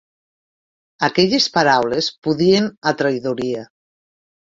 Aquelles paraules pudien a traïdoria.